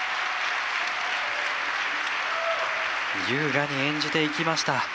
優雅に演じていきました。